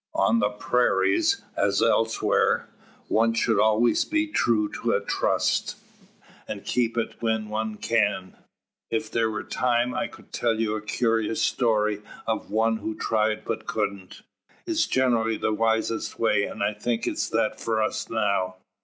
"On the prairies, as elsewhere, one should always be true to a trust, and keep it when one can. If there were time, I could tell you a curious story of one who tried but couldn't. It's generally the wisest way, and I think it's that for us now.